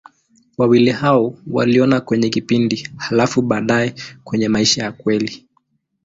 Wawili hao waliona kwenye kipindi, halafu baadaye kwenye maisha ya kweli.